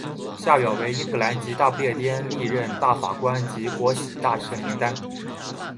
下表为英格兰及大不列颠历任大法官及国玺大臣名单。